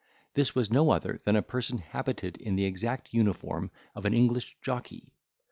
This was no other than a person habited in the exact uniform of an English jockey.